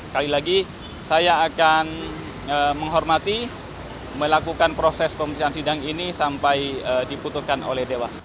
kali lagi saya akan menghormati melakukan proses pemeriksaan sidang ini sampai diputuskan oleh dewas